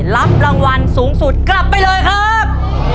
รับรางวัลสูงสุดกลับไปเลยครับ